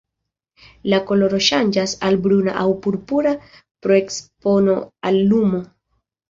La koloro ŝanĝas al bruna aŭ purpura pro ekspono al lumo.